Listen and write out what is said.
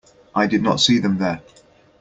I did not see them there.